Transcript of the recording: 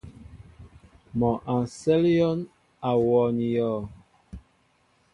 Mɔ a sέl yón í wōō ní yɔɔ.